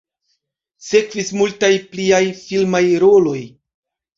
Sekvis multaj pliaj filmaj roloj.